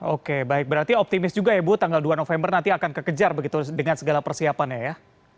oke baik berarti optimis juga ya bu tanggal dua november nanti akan kekejar begitu dengan segala persiapannya ya